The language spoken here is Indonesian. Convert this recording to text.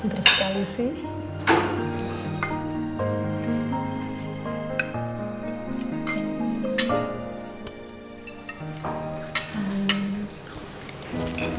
pinter sekali sih